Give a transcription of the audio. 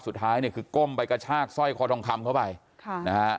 สุดท้ายเนี่ยคือก้มไปกระชากสร้อยคอทองคำเข้าไปค่ะนะฮะ